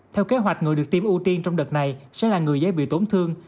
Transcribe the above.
theo kế hoạch người được tiêm ưu tiên trong đợt này sẽ là người dễ bị tổn thương